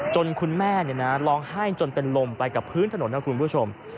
คุณแม่ร้องไห้จนเป็นลมไปกับพื้นถนนนะคุณผู้ชม